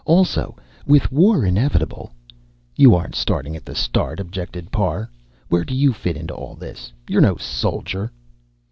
Also, with war inevitable " "You aren't starting at the start," objected Parr. "Where do you fit into all this? You're no soldier."